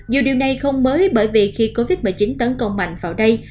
dù điều này không mới bởi vì khi covid một mươi chín tấn công mạnh vào đây